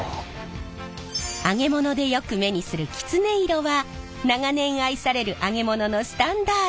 揚げ物でよく目にするキツネ色は長年愛される揚げ物のスタンダード！